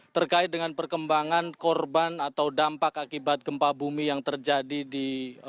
terkait dengan perkembangan korban atau dampak akibat gempa bumi yang terjadi di